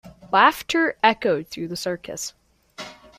Laughter echoed through the circus.